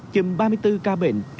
chừng ba mươi bốn ca bệnh